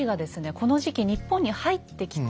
この時期日本に入ってきた。